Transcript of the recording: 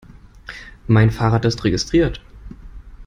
Mein Fahrrad ist registriert.